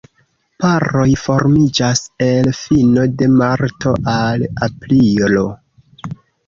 Paroj formiĝas el fino de marto al aprilo.